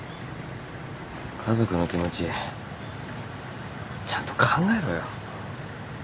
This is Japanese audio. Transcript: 家族の気持ちちゃんと考えろよ。